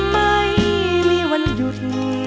ไม่มีวันหยุด